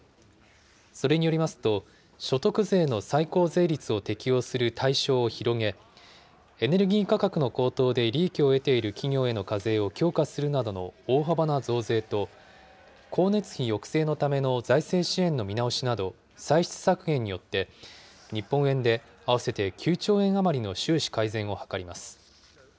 それによりますと、所得税の最高税率を適用する対象を広げ、エネルギー価格の高騰で利益を得ている企業への課税を強化するなどの大幅な増税と、光熱費抑制のための財政支援の見直しなど、歳出削減によって、日本円で合わせて９兆円余りの収支改善を図ります。